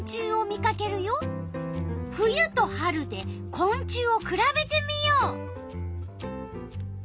冬と春でこん虫をくらべてみよう。